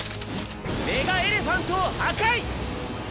メガ・エレファントを破壊！